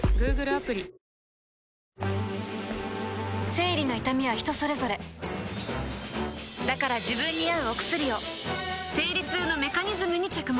生理の痛みは人それぞれだから自分に合うお薬を生理痛のメカニズムに着目